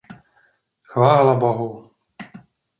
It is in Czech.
Chvála bohu.